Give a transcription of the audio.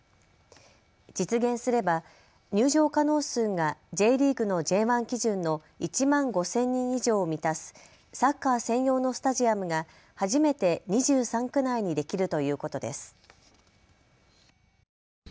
実現すれば入場可能数がＪリーグのＪ１基準の１万５０００人以上を満たすサッカー専用のスタジアムが初めて２３区内にできるということです。